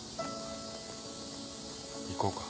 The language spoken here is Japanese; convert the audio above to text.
行こうか。